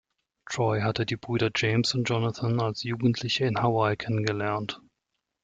Troy hatte die Brüder James und Jonathan als Jugendliche in Hawaii kennengelernt.